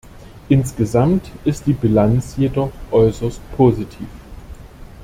Insgesamt ist die Bilanz jedoch äußerst positiv.